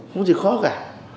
không có gì khó cả